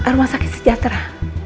rumah sakit sejahtera